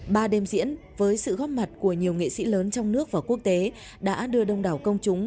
ba đêm diễn với sự góp mặt của nhiều nghệ sĩ lớn trong nước và quốc tế đã đưa đông đảo công chúng